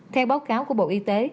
theo báo cáo của bộ y tế